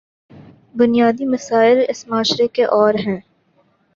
بنیادی مسائل اس معاشرے کے اور ہیں۔